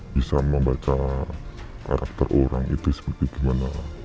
bisa membaca karakter orang itu seperti gimana